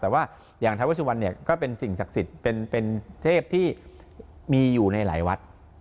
แต่ว่าอย่างทาเวสุวรรณเนี่ยก็เป็นสิ่งศักดิ์สิทธิ์เป็นเทพที่มีอยู่ในหลายวัด